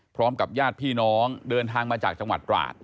พร้อมกับญาติพี่น้องเดินทางมาจากจังหวัดตราด